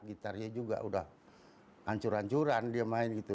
gitarnya juga udah hancur hancuran dia main gitu